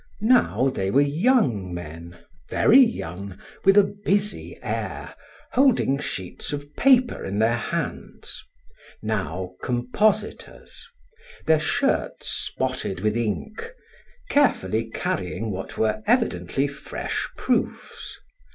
Now they were young men, very young, with a busy air, holding sheets of paper in their hands; now compositors, their shirts spotted with ink carefully carrying what were evidently fresh proofs.